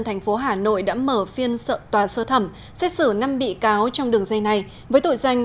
thành phố hà nội đã mở phiên tòa sơ thẩm xét xử năm bị cáo trong đường dây này với tội danh